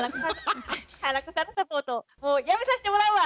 花子さんのサポートもうやめさしてもらうわ！